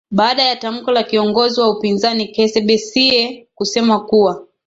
baada ya tamko la kiongozi wa upinzani keze besiie kusema kuwa